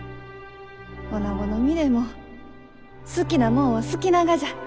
おなごの身でも好きなもんは好きながじゃ。